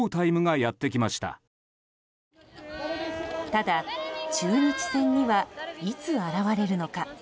ただ、中日戦にはいつ現れるのか。